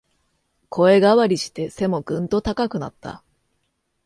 声変わりして背もぐんと高くなった